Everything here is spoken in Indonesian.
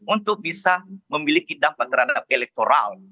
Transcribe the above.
untuk bisa memiliki dampak terhadap elektoral